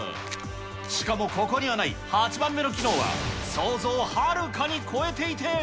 しかもここにはない８番目の機能は、想像をはるかに超えていて。